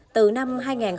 từ năm hai nghìn một mươi bảy